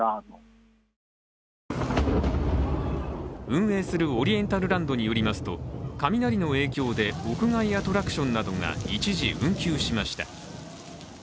運営するオリエンタルランドによりますと雷の影響で屋外アトラクションなどが一時運休しました。